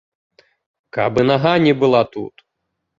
Каб і нага не была тут!